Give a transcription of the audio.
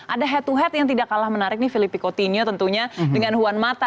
ada head to head yang tidak kalah menarik nih filipi coutinho tentunya dengan huan mata